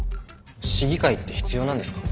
市議会って必要なんですか？